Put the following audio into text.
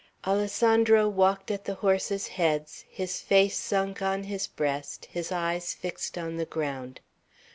Alessandro walked at the horses' heads, his face sunk on his breast, his eyes fixed on the ground.